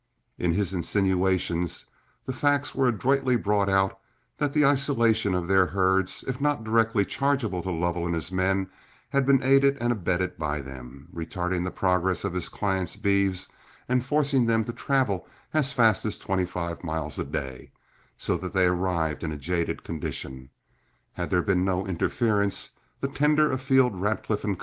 In his insinuations, the fact was adroitly brought out that the isolation of their herds, if not directly chargeable to Lovell and his men, had been aided and abetted by them, retarding the progress of his clients' beeves and forcing them to travel as fast as twenty five miles a day, so that they arrived in a jaded condition. Had there been no interference, the tender of Field, Radcliff & Co.